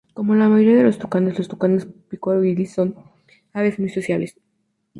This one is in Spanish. Como la mayoría de los tucanes, los tucanes pico iris son aves muy sociables.